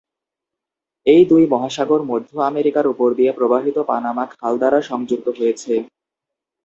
এই দুটি মহাসাগর মধ্য আমেরিকার উপর দিয়ে প্রবাহিত পানামা খাল দ্বারা সংযুক্ত হয়েছে।